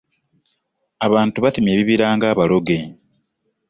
Abantu batemye ebibira ng’abaloge.